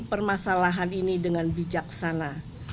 permasalahan ini dengan bijaksana